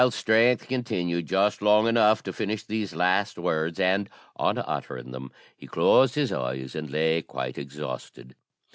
Charles's strength continued just long enough to finish these last words, and on uttering them he closed his eyes, and lay quite exhausted.